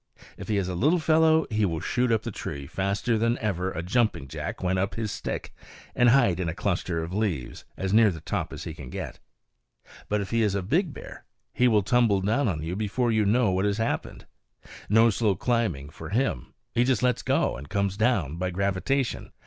If he is a little fellow, he will shoot up the tree, faster than ever a jumping jack went up his stick, and hide in a cluster of leaves, as near the top as he can get. But if he is a big bear, he will tumble down on you before you know what has happened. No slow climbing for him; he just lets go and comes down by gravitation.